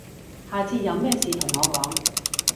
下次有咩事同我講